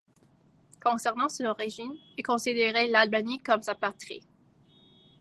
Concernant son origine, il considérait l'Albanie comme sa patrie.